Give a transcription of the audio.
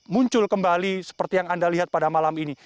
muncul kembali seperti yang anda lihat pada malam ini